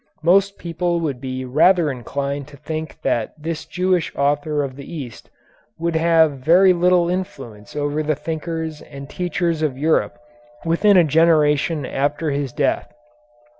Most people would be rather inclined to think that this Jewish author of the East would have very little influence over the thinkers and teachers of Europe within a generation after his death.